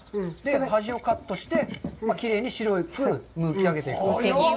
端をカットして、きれいに白くむき上げていく。